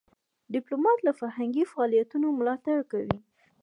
ډيپلومات له فرهنګي فعالیتونو ملاتړ کوي.